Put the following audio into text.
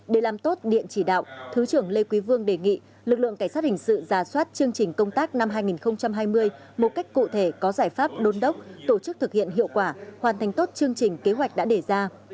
để làm tốt điện chỉ đạo thứ trưởng lê quý vương đề nghị lực lượng cảnh sát hình sự ra soát chương trình công tác năm hai nghìn hai mươi một cách cụ thể có giải pháp đôn đốc tổ chức thực hiện hiệu quả hoàn thành tốt chương trình kế hoạch đã đề ra